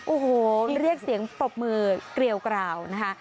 โอ้โหเรียกเสียงปรบมือเกลียวกราวนะคะ